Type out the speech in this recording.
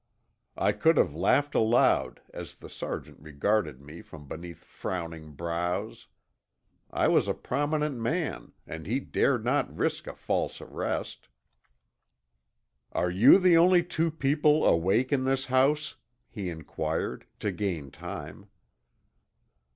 I could have laughed aloud as the Sergeant regarded me from beneath frowning brows. I was a prominent man and he dared not risk a false arrest. "Are you the only two people awake in this house?" he inquired, to gain time.